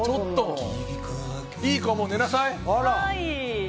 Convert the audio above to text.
いい子はもう寝なさい。